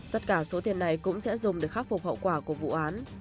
tất cả số tiền này cũng sẽ dùng để khắc phục hậu quả của vụ án